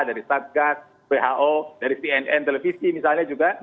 dari satgas who dari cnn televisi misalnya juga